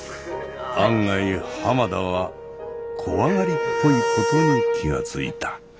案外浜田は怖がりっぽいことに気が付いた。